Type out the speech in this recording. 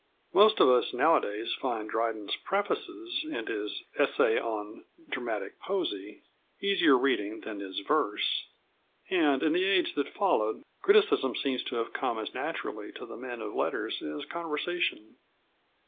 Most of us nowadays find Dryden's prefaces and his Essay on Dramatic Poesy easier reading than his verse; and, in the age that followed, criticism seems to have come as naturally to the men of letters as conversation.